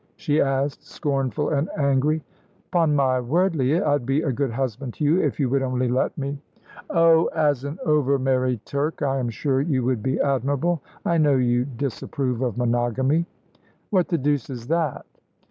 she asked, scornful and angry. "'Pon my word, Leah, I'd be a good husband to you if you would only let me." "Oh, as an over married Turk I am sure you would be admirable. I know you disapprove of monogamy." "What the deuce is that?"